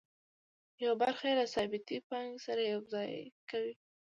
یوه برخه یې له ثابتې پانګې سره یوځای کوي